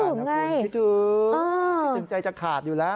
พี่ทุกข์คิดถึงใจจะขาดอยู่แล้ว